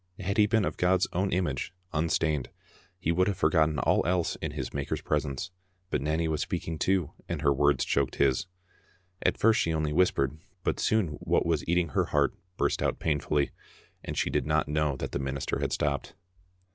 Had he been of God's own image, unstained, he would have forgotten all else in his Maker's presence, but Nanny was speaking too, and her words choked his. At first she only whispered, but soon what was eating her heart burst out pain fully, and she did not know that the minister had stopped.